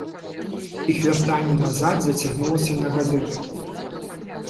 Іх вяртанне назад зацягнулася на гады.